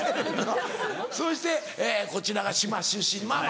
そしてこちらが島出身まぁまぁ